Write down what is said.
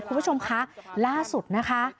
คุณผู้ชมคะล่าสุดนะคะ